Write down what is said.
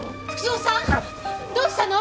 どうしたの？